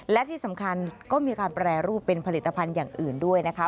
และที่สำคัญก็มีการแปรรูปเป็นผลิตภัณฑ์อย่างอื่นด้วยนะคะ